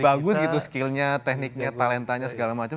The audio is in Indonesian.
bagus gitu skillnya tekniknya talentanya segala macam